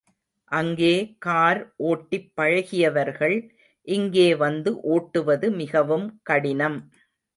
அங்கே கார் ஓட்டிப் பழகியவர்கள் இங்கே வந்து ஓட்டுவது மிகவும் கடினம்.